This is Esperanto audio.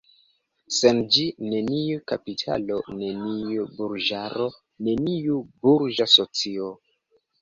Sen ĝi, neniu kapitalo, neniu burĝaro, neniu burĝa socio.